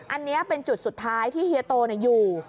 อันนี้เป็นจุดสุดท้ายที่เฮียโตอยู่